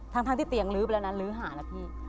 ทั้งที่เตียงลื้อไปแล้วนะลื้อหานะพี่